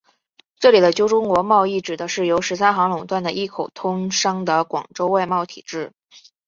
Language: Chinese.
这里的旧中国贸易指的是由十三行垄断的一口通商的广州外贸体制。